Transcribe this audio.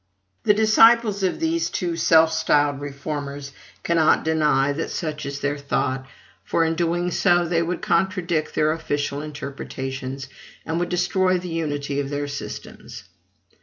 The disciples of these two self styled reformers cannot deny that such is their thought; for, in doing so, they would contradict their official interpretations, and would destroy the unity of their systems.